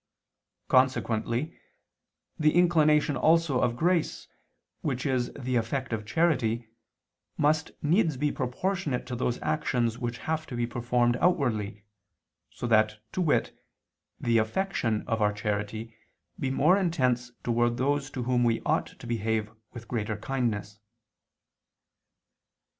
Consequently the inclination also of grace which is the effect of charity, must needs be proportionate to those actions which have to be performed outwardly, so that, to wit, the affection of our charity be more intense towards those to whom we ought to behave with greater kindness.